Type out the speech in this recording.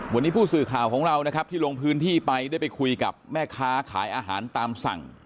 วันนี้ผู้สื่อข่าวของเรานะครับที่ลงพื้นที่ไปได้ไปคุยกับแม่ค้าขายอาหารตามสั่ง